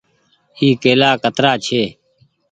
اي ڪيلآ ڪترآ ڇي۔